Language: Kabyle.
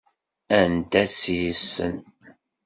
Anda tt-yessen?